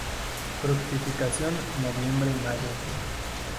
Fructificación nov.-may.